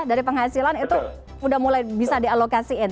dari penghasilan itu udah mulai bisa dialokasiin